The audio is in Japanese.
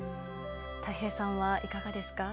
たい平さんはいかがですか？